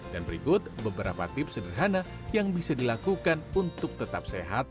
dan berikut beberapa tips sederhana yang bisa dilakukan untuk tetap sehat